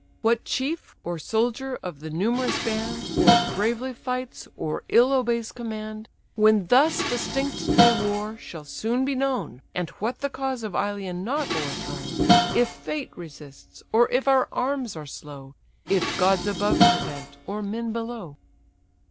What chief, or soldier, of the numerous band, Or bravely fights, or ill obeys command, When thus distinct they war, shall soon be known And what the cause of Ilion not o'erthrown; If fate resists, or if our arms are slow, If gods above prevent, or men below."